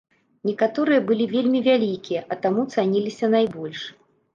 Некаторыя былі вельмі вялікія, а таму цаніліся найбольш.